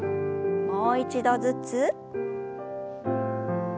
もう一度ずつ。